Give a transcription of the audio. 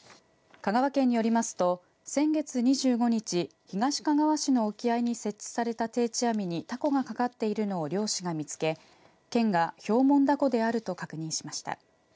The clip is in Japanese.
香川県によりますと先月２５日、東かがわ市の沖合に設置された定置網にタコがかかっているのを漁師が見つけ県がヒョウモンダコであると確認しました。